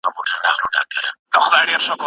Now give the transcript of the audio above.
دولتونه د سياسي ډلو څخه لوی دي.